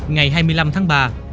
ngày hai mươi năm tháng ba